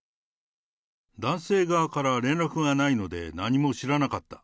男性側から連絡がないので、何も知らなかった。